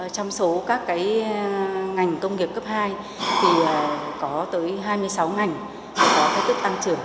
trong số các ngành công nghiệp cấp hai có tới hai mươi sáu ngành có kết thúc tăng trưởng